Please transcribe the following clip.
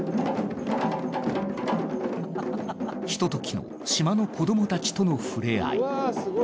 ひとときの島の子どもたちとのふれあい。